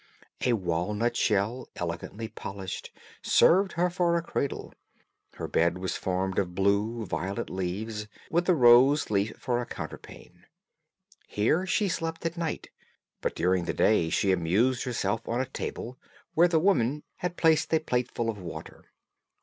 A walnut shell, elegantly polished, served her for a cradle; her bed was formed of blue violet leaves, with a rose leaf for a counterpane. Here she slept at night, but during the day she amused herself on a table, where the woman had placed a plateful of water.